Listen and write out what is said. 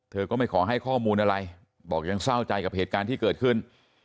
ก็ไม่ขอให้ข้อมูลอะไรบอกยังเศร้าใจกับเหตุการณ์ที่เกิดขึ้น